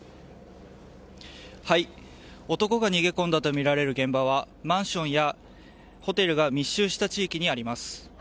男が逃げ込んだとみられる現場はマンションやホテルが密集した地域にあります。